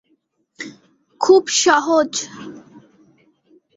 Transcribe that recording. খুব সহজ!